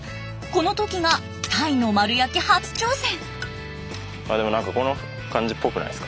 この時がタイの丸焼き初挑戦。